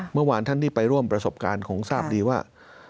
เมื่อวานท่านที่ไปร่วมประสบการณ์คงทราบดีว่า